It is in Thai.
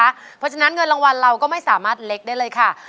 เพราะฉะนั้นเงินรางวัลเราก็ไม่สามารถเล็กได้เลยค่ะ